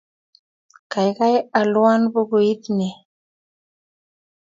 Kaikai alwon pukuit nin.